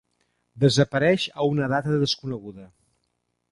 Desapareix a una data desconeguda.